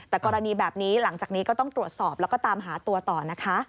แต่กรณีแบบนี้หลังจากนี้ก็ต้องตรวจสอบแล้วก็ตามหาตัวต่อนะคะ